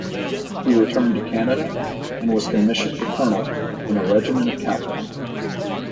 He returned to Canada and was commissioned a colonel in a regiment of cavalry.